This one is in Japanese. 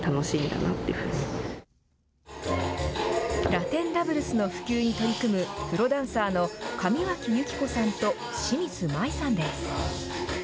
ラテンダブルスの普及に取り組むプロダンサーの上脇友季湖さんと清水舞さんです。